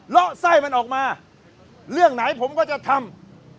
ละไส้มันออกมาเรื่องไหนผมก็จะทำ